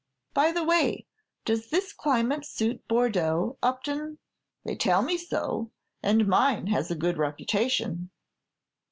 By the way, does this climate suit Bordeaux, Upton?" "They tell me so, and mine has a good reputation."